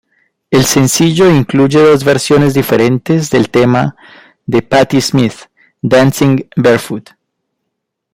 El sencillo incluye dos versiones diferentes del tema de Patti Smith "Dancing Barefoot".